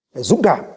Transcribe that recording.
phải dũng đảm